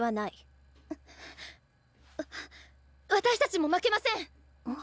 私たちも負けません！